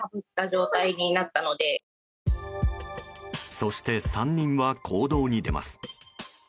そして３人は行動に出ます。